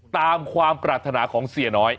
ตามความปรารถนาของเสียน้อย